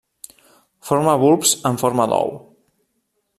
Forma bulbs en forma d'ou.